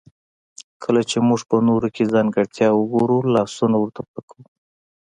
کله چې موږ په نورو کې ځانګړتياوې وګورو لاسونه ورته پړکوو.